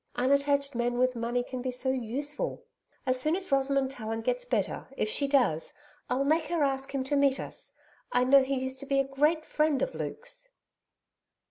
Unattached men with money can be so useful. As soon as Rosamond Tallant gets better if she does I'll make her ask him to meet us. I know he used to be a great friend of Luke's....'